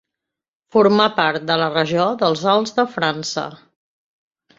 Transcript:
Formar part de la regió dels Alts de França.